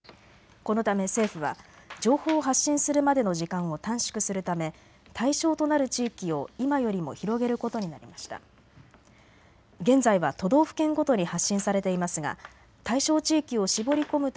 このため政府は情報を発信するまでの時間を短縮するため対象となる地域を今よりも広げることになりました。